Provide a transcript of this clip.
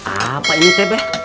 apa ini teh beh